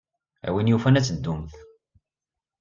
A win yufan ad teddumt.